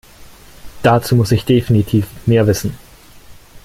Dazu muss ich definitiv mehr wissen.